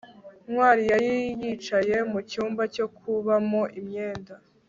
ntwali yari yicaye mucyumba cyo kubamo imyenda